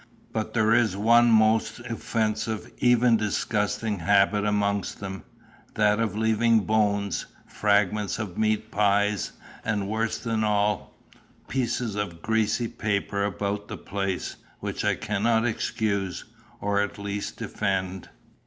But there is one most offensive, even disgusting habit amongst them that of leaving bones, fragments of meat pies, and worse than all, pieces of greasy paper about the place, which I cannot excuse, or at least defend.